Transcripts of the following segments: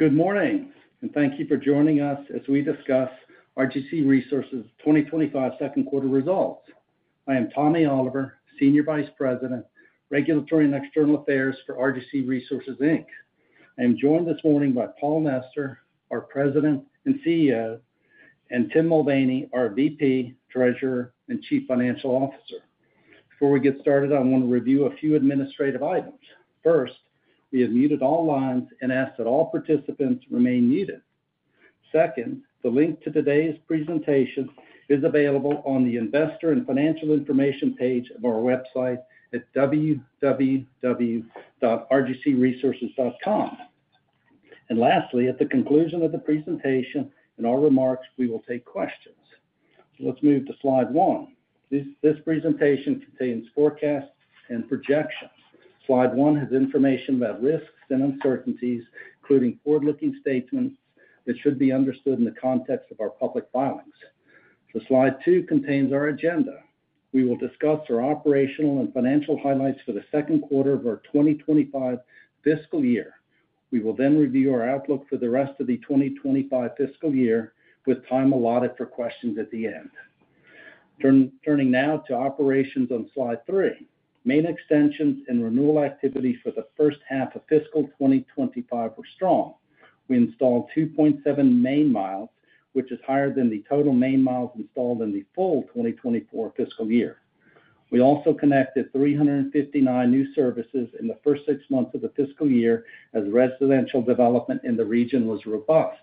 Good morning, and thank you for joining us as we discuss RGC Resources' 2025 second quarter results. I am Tommy Oliver, Senior Vice President, Regulatory and External Affairs for RGC Resources. I am joined this morning by Paul Nester, our President and CEO, and Tim Mulvaney, our VP, Treasurer, and Chief Financial Officer. Before we get started, I want to review a few administrative items. First, we have muted all lines and asked that all participants remain muted. Second, the link to today's presentation is available on the Investor and Financial Information page of our website at www.rgcresources.com. Lastly, at the conclusion of the presentation and our remarks, we will take questions. Let's move to slide one. This presentation contains forecasts and projections. Slide one has information about risks and uncertainties, including forward-looking statements that should be understood in the context of our public filings. Slide two contains our agenda. We will discuss our operational and financial highlights for the second quarter of our 2025 fiscal year. We will then review our outlook for the rest of the 2025 fiscal year with time allotted for questions at the end. Turning now to operations on slide three, main extensions and renewal activity for the first half of fiscal 2025 were strong. We installed 2.7 main miles, which is higher than the total main miles installed in the full 2024 fiscal year. We also connected 359 new services in the first six months of the fiscal year as residential development in the region was robust.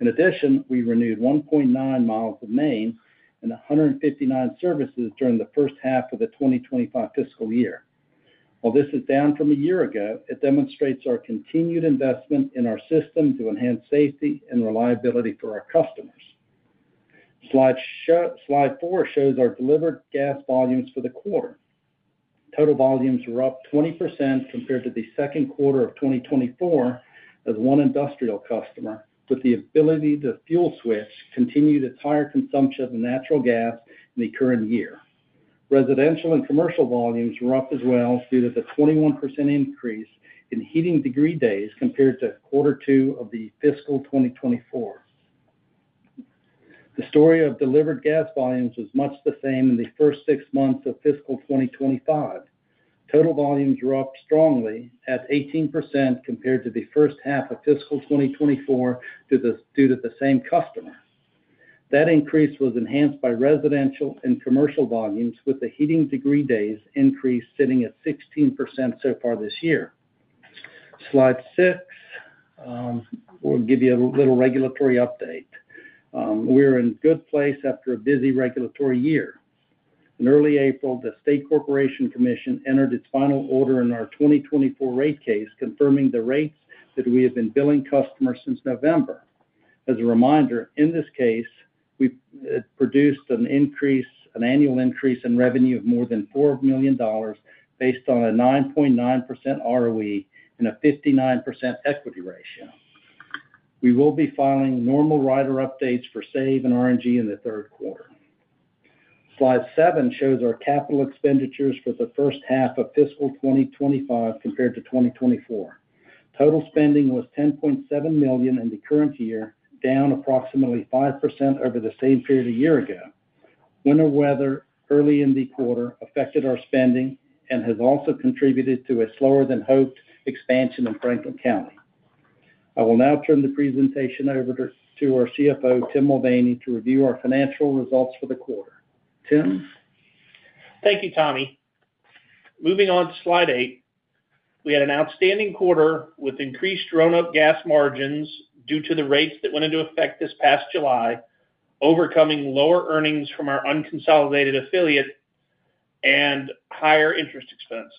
In addition, we renewed 1.9 miles of main and 159 services during the first half of the 2025 fiscal year. While this is down from a year ago, it demonstrates our continued investment in our system to enhance safety and reliability for our customers. Slide four shows our delivered gas volumes for the quarter. Total volumes were up 20% compared to the second quarter of 2024 as one industrial customer, with the ability to fuel switch, continued its higher consumption of natural gas in the current year. Residential and commercial volumes were up as well due to the 21% increase in Heating degree days compared to quarter two of fiscal 2024. The story of delivered gas volumes was much the same in the first six months of fiscal 2025. Total volumes were up strongly at 18% compared to the first half of fiscal 2024 due to the same customer. That increase was enhanced by residential and commercial volumes, with the Heating degree days increase sitting at 16% so far this year. Slide six, we'll give you a little regulatory update. We are in good place after a busy regulatory year. In early April, the State Corporation Commission entered its final order in our 2024 rate case, confirming the rates that we have been billing customers since November. As a reminder, in this case, we produced an annual increase in revenue of more than $4 million based on a 9.9% ROE and a 59% equity ratio. We will be filing normal rider updates for SAVE and R&G in the third quarter. Slide seven shows our capital expenditures for the first half of fiscal 2025 compared to 2024. Total spending was $10.7 million in the current year, down approximately 5% over the same period a year ago. Winter weather early in the quarter affected our spending and has also contributed to a slower than hoped expansion in Franklin County. I will now turn the presentation over to our CFO, Tim Mulvaney, to review our financial results for the quarter. Tim. Thank you, Tommy. Moving on to slide eight, we had an outstanding quarter with increased grow-up gas margins due to the rates that went into effect this past July, overcoming lower earnings from our unconsolidated affiliate and higher interest expense.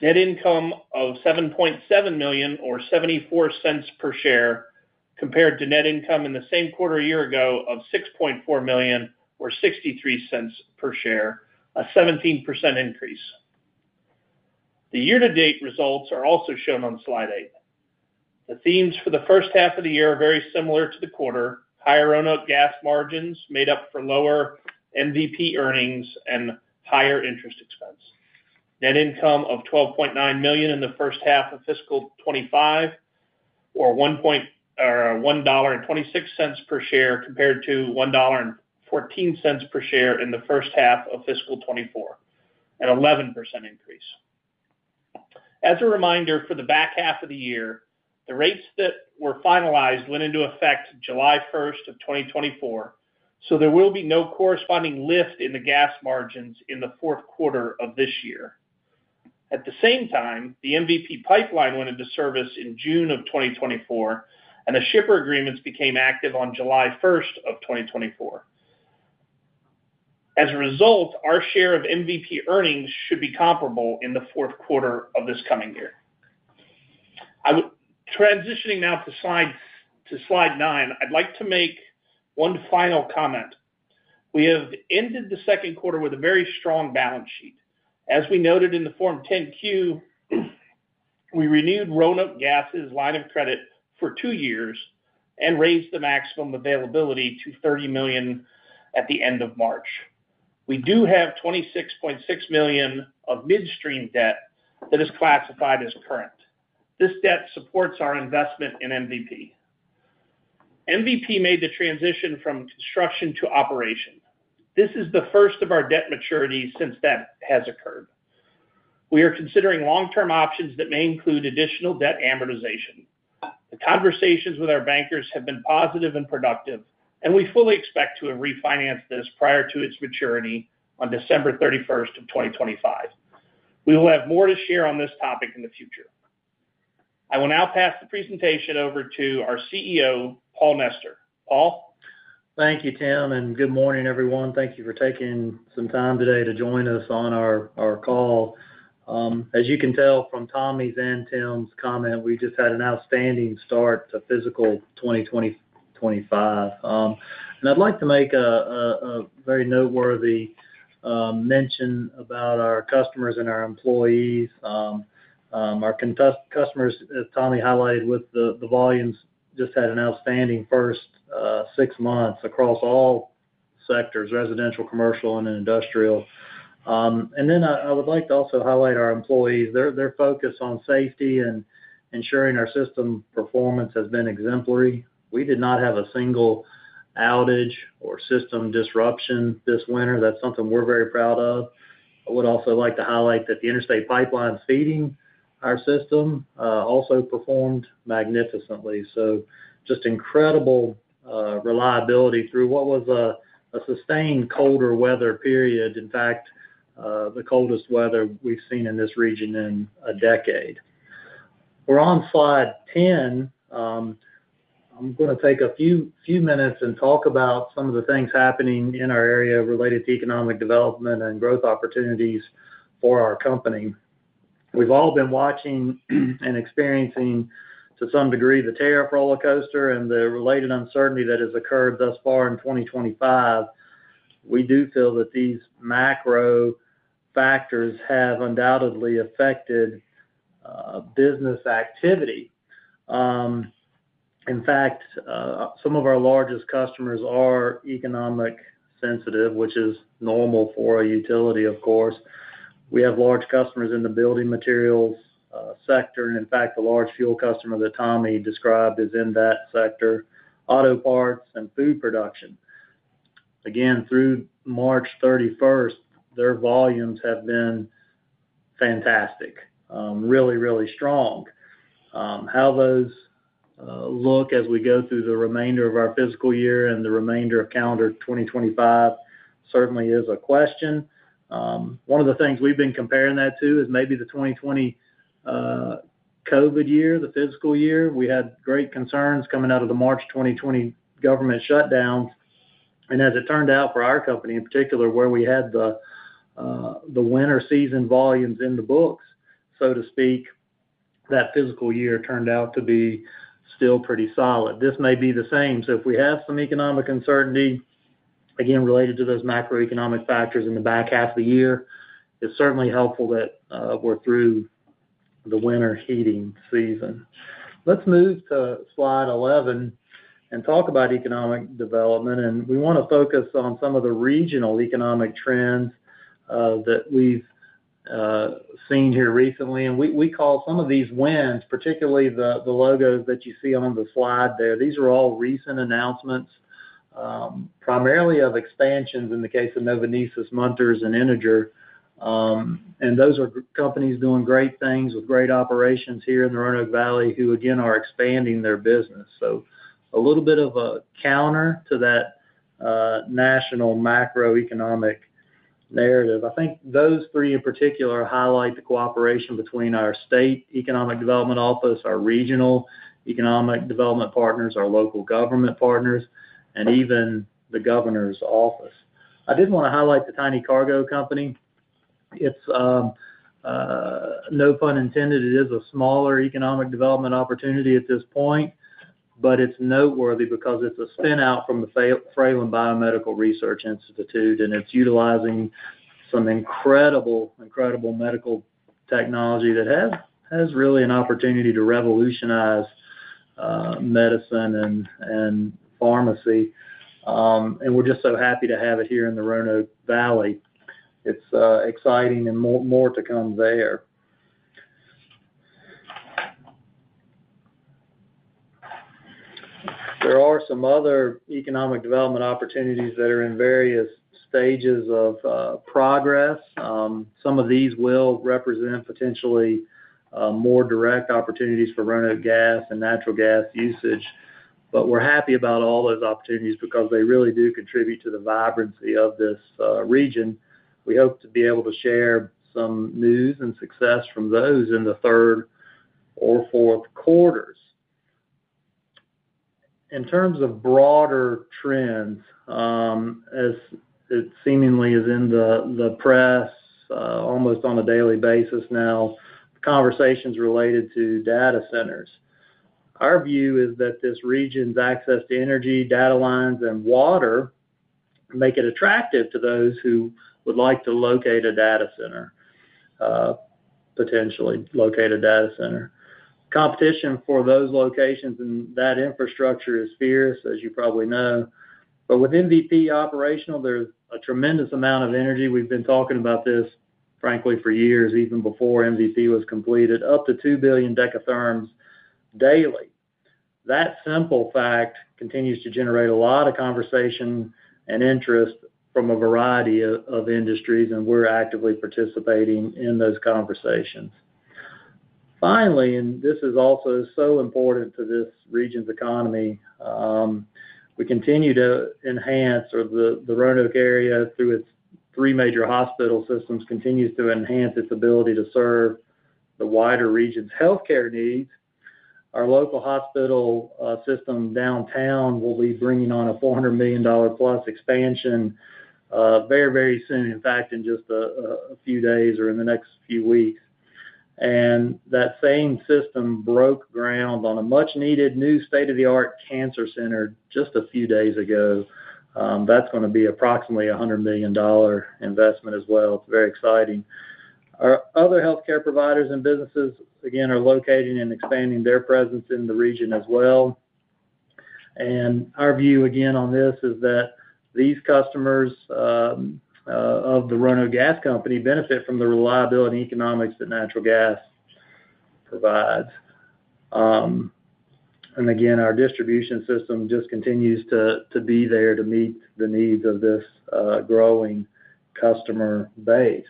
Net income of $7.7 million, or $0.74 per share, compared to net income in the same quarter a year ago of $6.4 million, or $0.63 per share, a 17% increase. The year-to-date results are also shown on slide eight. The themes for the first half of the year are very similar to the quarter: higher grow-up gas margins made up for lower MVP earnings and higher interest expense. Net income of $12.9 million in the first half of fiscal 2025, or $1.26 per share, compared to $1.14 per share in the first half of fiscal 2024, an 11% increase. As a reminder, for the back half of the year, the rates that were finalized went into effect July 1st of 2024, so there will be no corresponding lift in the gas margins in the fourth quarter of this year. At the same time, the MVP pipeline went into service in June of 2024, and the shipper agreements became active on July 1st of 2024. As a result, our share of MVP earnings should be comparable in the fourth quarter of this coming year. Transitioning now to slide nine, I'd like to make one final comment. We have ended the second quarter with a very strong balance sheet. As we noted in the Form 10Q, we renewed Roanoke Gas's line of credit for two years and raised the maximum availability to $30 million at the end of March. We do have $26.6 million of midstream debt that is classified as current. This debt supports our investment in MVP. MVP made the transition from construction to operation. This is the first of our debt maturities since that has occurred. We are considering long-term options that may include additional debt amortization. The conversations with our bankers have been positive and productive, and we fully expect to have refinanced this prior to its maturity on December 31st of 2025. We will have more to share on this topic in the future. I will now pass the presentation over to our CEO, Paul Nester. Paul. Thank you, Tim, and good morning, everyone. Thank you for taking some time today to join us on our call. As you can tell from Tommy's and Tim's comment, we just had an outstanding start to fiscal 2025. I would like to make a very noteworthy mention about our customers and our employees. Our customers, as Tommy highlighted with the volumes, just had an outstanding first six months across all sectors: residential, commercial, and industrial. I would like to also highlight our employees. Their focus on safety and ensuring our system performance has been exemplary. We did not have a single outage or system disruption this winter. That is something we are very proud of. I would also like to highlight that the interstate pipeline feeding our system also performed magnificently. Just incredible reliability through what was a sustained colder weather period. In fact, the coldest weather we've seen in this region in a decade. We're on slide 10. I'm going to take a few minutes and talk about some of the things happening in our area related to economic development and growth opportunities for our company. We've all been watching and experiencing, to some degree, the tariff roller coaster and the related uncertainty that has occurred thus far in 2025. We do feel that these macro factors have undoubtedly affected business activity. In fact, some of our largest customers are economic sensitive, which is normal for a utility, of course. We have large customers in the building materials sector, and in fact, the large fuel customer that Tommy described is in that sector: auto parts and food production. Again, through March 31, their volumes have been fantastic, really, really strong. How those look as we go through the remainder of our fiscal year and the remainder of calendar 2025 certainly is a question. One of the things we've been comparing that to is maybe the 2020 COVID year, the fiscal year. We had great concerns coming out of the March 2020 government shutdowns. As it turned out for our company in particular, where we had the winter season volumes in the books, so to speak, that fiscal year turned out to be still pretty solid. This may be the same. If we have some economic uncertainty, again, related to those macroeconomic factors in the back half of the year, it's certainly helpful that we're through the winter heating season. Let's move to slide 11 and talk about economic development. We want to focus on some of the regional economic trends that we've seen here recently. We call some of these wins, particularly the logos that you see on the slide there, these are all recent announcements, primarily of expansions in the case of Novanesis, Munters, and Integer. Those are companies doing great things with great operations here in the Roanoke Valley who, again, are expanding their business. A little bit of a counter to that national macroeconomic narrative. I think those three in particular highlight the cooperation between our state economic development office, our regional economic development partners, our local government partners, and even the governor's office. I did want to highlight the Tiny Cargo Company. It's no pun intended. It is a smaller economic development opportunity at this point, but it's noteworthy because it's a spin-out from the Fralin Biomedical Research Institute, and it's utilizing some incredible, incredible medical technology that has really an opportunity to revolutionize medicine and pharmacy. We are just so happy to have it here in the Roanoke Valley. It's exciting and more to come there. There are some other economic development opportunities that are in various stages of progress. Some of these will represent potentially more direct opportunities for Roanoke Gas and natural gas usage. We are happy about all those opportunities because they really do contribute to the vibrancy of this region. We hope to be able to share some news and success from those in the third or fourth quarters. In terms of broader trends, as it seemingly is in the press almost on a daily basis now, conversations related to data centers. Our view is that this region's access to energy, data lines, and water make it attractive to those who would like to locate a data center, potentially locate a data center. Competition for those locations and that infrastructure is fierce, as you probably know. With MVP operational, there is a tremendous amount of energy. We have been talking about this, frankly, for years, even before MVP was completed, up to 2 billion dekatherms daily. That simple fact continues to generate a lot of conversation and interest from a variety of industries, and we are actively participating in those conversations. Finally, and this is also so important to this region's economy, we continue to enhance the Roanoke area through its three major hospital systems, which continue to enhance its ability to serve the wider region's healthcare needs. Our local hospital system Downtown will be bringing on a $400 million-plus expansion very, very soon, in fact, in just a few days or in the next few weeks. That same system broke ground on a much-needed new state-of-the-art cancer center just a few days ago. That is going to be approximately a $100 million investment as well. It is very exciting. Our other healthcare providers and businesses, again, are locating and expanding their presence in the region as well. Our view, again, on this is that these customers of the Roanoke Gas Company benefit from the reliability and economics that natural gas provides. Our distribution system just continues to be there to meet the needs of this growing customer base.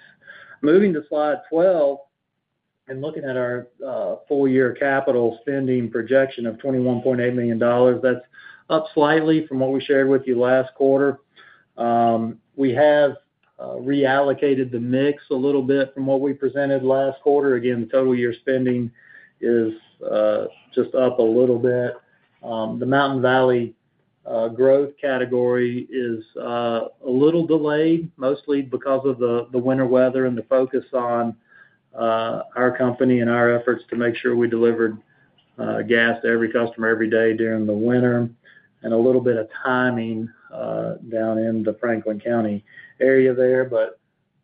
Moving to slide 12 and looking at our full-year capital spending projection of $21.8 million, that is up slightly from what we shared with you last quarter. We have reallocated the mix a little bit from what we presented last quarter. The total year spending is just up a little bit. The Mountain Valley growth category is a little delayed, mostly because of the winter weather and the focus on our company and our efforts to make sure we delivered gas to every customer every day during the winter, and a little bit of timing down in the Franklin County area there.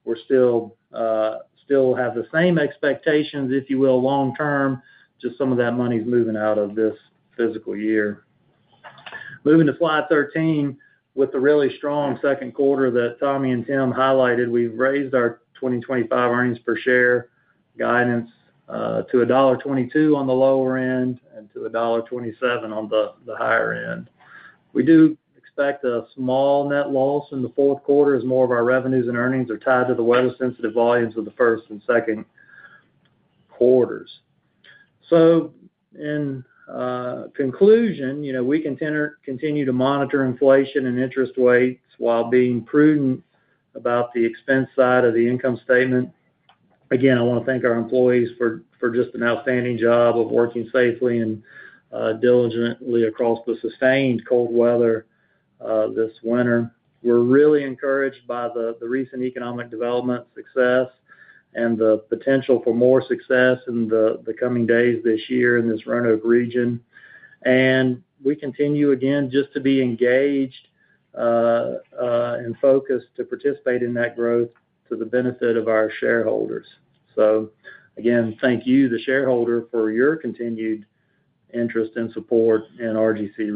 We still have the same expectations, if you will, long-term. Just some of that money is moving out of this fiscal year. Moving to slide 13, with the really strong second quarter that Tommy and Tim highlighted, we've raised our 2025 earnings per share guidance to $1.22 on the lower end and to $1.27 on the higher end. We do expect a small net loss in the fourth quarter as more of our revenues and earnings are tied to the weather-sensitive volumes of the first and second quarters. In conclusion, we can continue to monitor inflation and interest rates while being prudent about the expense side of the income statement. Again, I want to thank our employees for just an outstanding job of working safely and diligently across the sustained cold weather this winter. We are really encouraged by the recent economic development success and the potential for more success in the coming days this year in this Roanoke region. We continue, again, just to be engaged and focused to participate in that growth to the benefit of our shareholders. Again, thank you, the shareholder, for your continued interest and support in RGC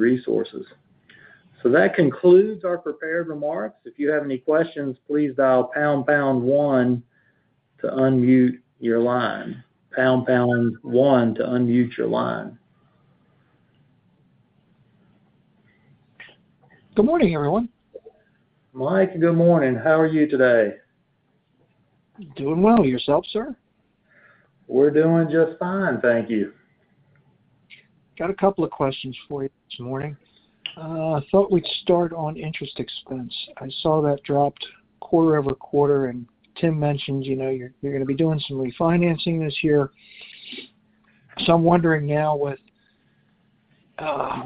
Resources.That concludes our prepared remarks. If you have any questions, please dial #1 to unmute your line. #1 to unmute your line. Good morning, everyone. Mike, good morning. How are you today? Doing well. Yourself, sir? We're doing just fine. Thank you. Got a couple of questions for you this morning. I thought we'd start on interest expense. I saw that dropped quarter over quarter, and Tim mentioned you're going to be doing some refinancing this year. I'm wondering now with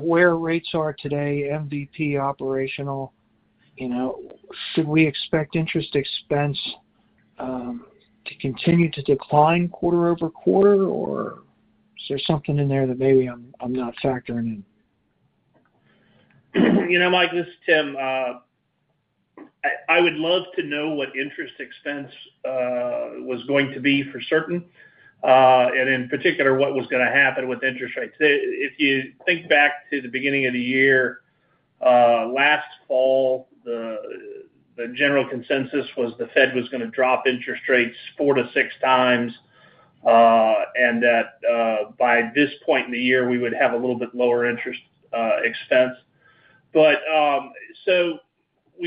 where rates are today, MVP operational, should we expect interest expense to continue to decline quarter over quarter, or is there something in there that maybe I'm not factoring in? You know, Mike, this is Tim. I would love to know what interest expense was going to be for certain, and in particular, what was going to happen with interest rates. If you think back to the beginning of the year last fall, the general consensus was the Fed was going to drop interest rates four to six times and that by this point in the year, we would have a little bit lower interest expense. We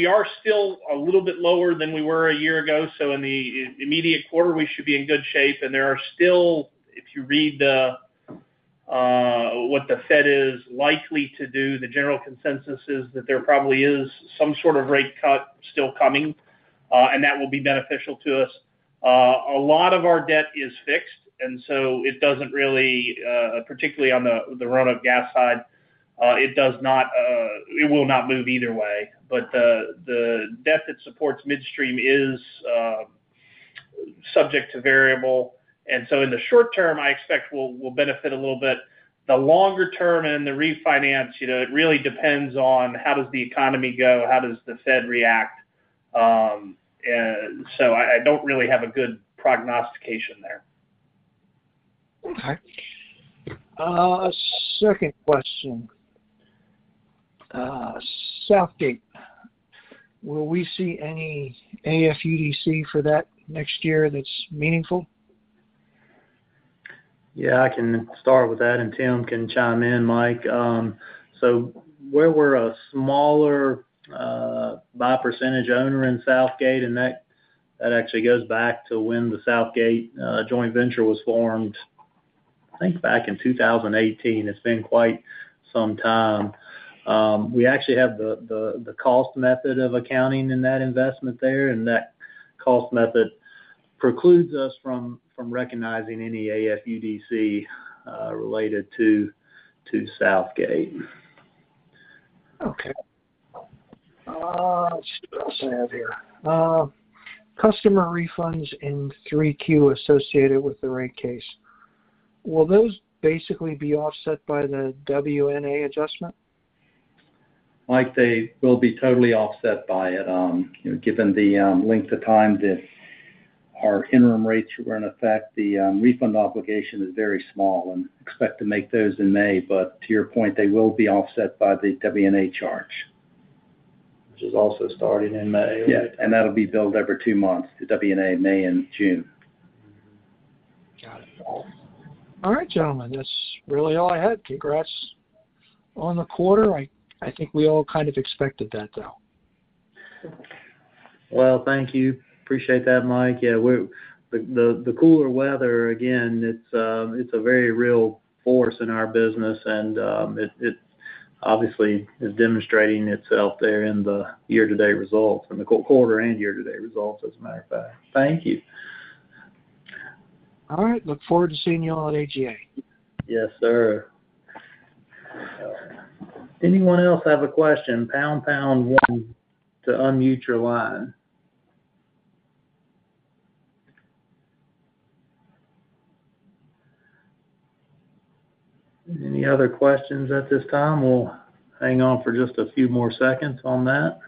are still a little bit lower than we were a year ago. In the immediate quarter, we should be in good shape. There are still, if you read what the Fed is likely to do, the general consensus is that there probably is some sort of rate cut still coming, and that will be beneficial to us. A lot of our debt is fixed, and it does not really, particularly on the Roanoke Gas side, it will not move either way. The debt that supports midstream is subject to variable. In the short term, I expect we will benefit a little bit. The longer term and the refinance, it really depends on how does the economy go, how does the Fed react. I do not really have a good prognostication there. Okay. A second question. Southgate, will we see any AFUDC for that next year that's meaningful? Yeah, I can start with that, and Tim can chime in, Mike. Where we're a smaller by percentage owner in Southgate, and that actually goes back to when the Southgate Joint Venture was formed, I think back in 2018. It's been quite some time. We actually have the cost method of accounting in that investment there, and that cost method precludes us from recognizing any AFUDC related to Southgate. Okay. What else do I have here? Customer refunds in 3Q associated with the rate case. Will those basically be offset by the WNA adjustment? They will be totally offset by it. Given the length of time that our interim rates are going to affect, the refund obligation is very small, and expect to make those in May. To your point, they will be offset by the WNA charge, which is also starting in May. That will be billed every two months, the WNA May and June. Got it. All right, gentlemen. That's really all I had. Congrats on the quarter. I think we all kind of expected that, though. Thank you. Appreciate that, Mike. Yeah, the cooler weather, again, it's a very real force in our business, and it obviously is demonstrating itself there in the year-to-date results and the quarter and year-to-date results, as a matter of fact. Thank you. All right. Look forward to seeing you all at AGA. Yes, sir. Anyone else have a question? #1 to unmute your line. Any other questions at this time? We'll hang on for just a few more seconds on that.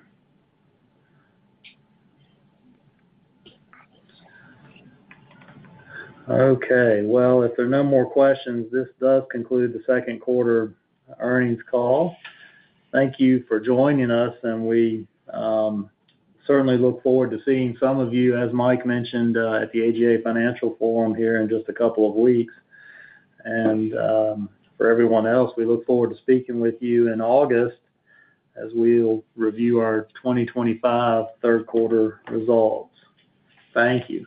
Okay. If there are no more questions, this does conclude the second quarter earnings call. Thank you for joining us, and we certainly look forward to seeing some of you, as Mike mentioned, at the AGA Financial Forum here in just a couple of weeks. For everyone else, we look forward to speaking with you in August as we'll review our 2025 third quarter results. Thank you.